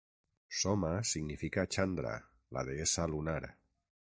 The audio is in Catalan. "Soma" significa "Chandra", la deessa lunar.